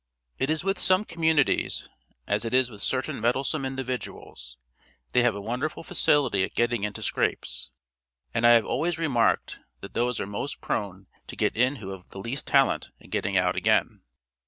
It is with some communities, as it is with certain meddlesome individuals they have a wonderful facility at getting into scrapes; and I have always remarked that those are most prone to get in who have the least talent at getting out again.